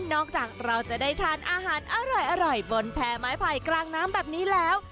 เราจะได้ทานอาหารอร่อยบนแพ้ไม้ไผ่กลางน้ำแบบนี้แล้ว